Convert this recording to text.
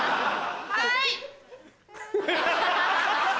はい！